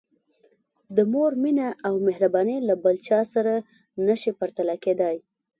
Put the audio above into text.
د مور مینه او مهرباني له بل چا سره نه شي پرتله کېدای.